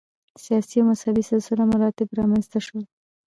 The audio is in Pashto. سیاسي او مذهبي سلسله مراتب رامنځته شول.